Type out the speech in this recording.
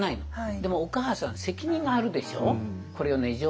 でもお母さん責任があるでしょ？